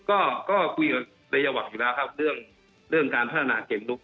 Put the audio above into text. ก็คุยกับนายวักอยู่แล้วครับเรื่องการพัฒนาเกมลุก